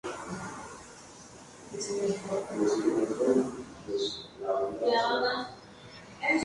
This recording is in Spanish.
Actualmente pueden visitarse sus ruinas.